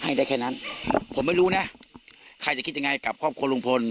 ให้ได้แค่นั้นผมไม่รู้นะใครจะคิดยังไงกับครอบครัวลุงพล